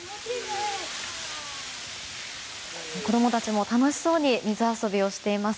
子供たちも楽しそうに水遊びをしています。